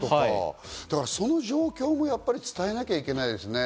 その状況も伝えなきゃいけないですね。